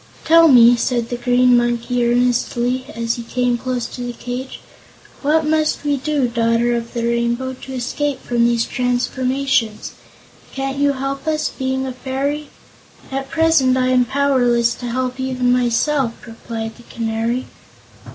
"Tell me," said the Green Monkey earnestly, as he came close to the cage, "what must we do, Daughter of the Rainbow, to escape from these transformations? Can't you help us, being a Fairy?" "At present I am powerless to help even myself," replied the Canary.